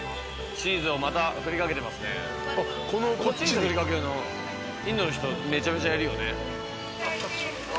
チーズ振りかけるのインドの人めちゃめちゃやるよね。